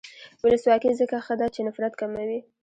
ولسواکي ځکه ښه ده چې نفرت کموي.